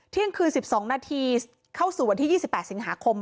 เที่ยงคืน๑๒นาทีเข้าสู่วันที่๒๘สิงหาคม